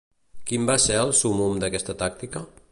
Quin va ser el súmmum d'aquesta tàctica?